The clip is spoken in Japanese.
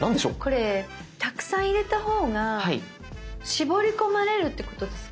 これたくさん入れた方が絞り込まれるってことですか？。